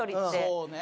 そうね。